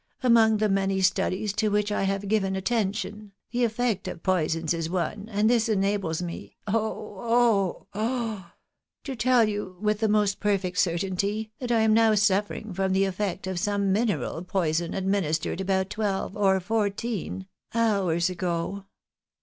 Among the many studies to which I have given attention, the effect of poisons is one, and this enables me — oh h h !— to tell you with AN URGENT CASE. 207 the most perfect certainty that I am now suifering from the effect of some mineral poison administered about twelve or fourteen hours ago.